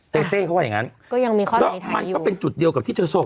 เต้เต้เขาบอกอย่างงั้นก็ยังมีข้อสันนิษฐานอยู่แล้วมันก็เป็นจุดเดียวกับที่เจอศพ